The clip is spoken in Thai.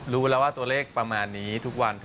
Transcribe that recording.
รู้แล้วว่าตัวเลขประมาณนี้ทุกวัน